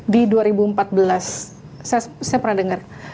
di dua ribu empat belas saya pernah dengar